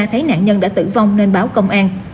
thấy nạn nhân đã tử vong nên báo công an